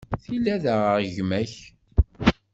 Tili ad aɣeɣ gma-k.